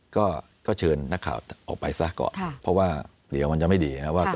ก็เชิญนักข่าวออกไปซะก่อนเพราะว่าเดี๋ยวมันจะไม่ดีนะครับ